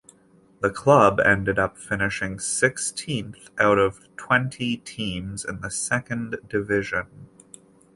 The club ended up finishing sixteenth out of twenty teams in the Second Division.